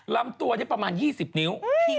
ลำตัวนี้ประมาณ๒๐นิ้ว